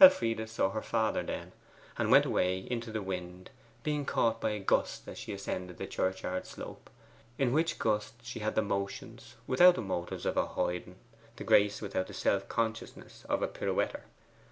Elfride saw her father then, and went away into the wind, being caught by a gust as she ascended the churchyard slope, in which gust she had the motions, without the motives, of a hoiden; the grace, without the self consciousness, of a pirouetter.